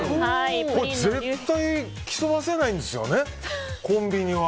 絶対、競わせないんですよねコンビニは。